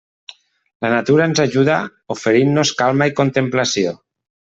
La natura ens ajuda oferint-nos calma i contemplació.